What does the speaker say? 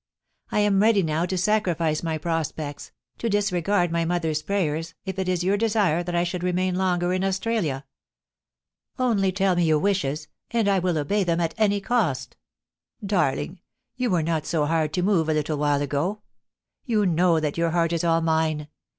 I am ready now to sacrifice my prospects, to disregard my mother's prayers, if it is your desire that I should remain longer in Australia ... Only tell me your wishes, and I will obey them at any cost. Darling, you were not so hard to move a little while THE KNOTTING OF THE THREADS. 433 aga You know that your heart is all mine.